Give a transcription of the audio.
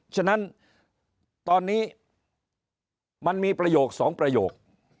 ฉะนั้นตอนนี้มันมีประโยค๒ประโยค